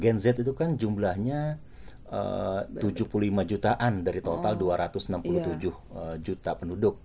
gen z itu kan jumlahnya tujuh puluh lima jutaan dari total dua ratus enam puluh tujuh juta penduduk